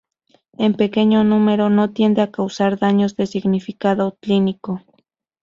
En pequeño número, no tiende a causar daños de significado clínico.